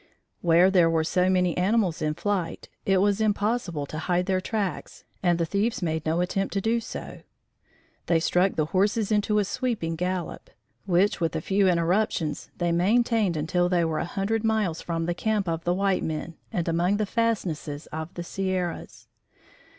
Where there were so many animals in flight, it was impossible to hide their tracks and the thieves made no attempt to do so. They struck the horses into a sweeping gallop, which with a few interruptions they maintained until they were a hundred miles from the camp of the white men and among the fastnesses of the Sierras.